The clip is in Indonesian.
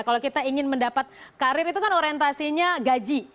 kalau kita ingin mendapat karir itu kan orientasinya gaji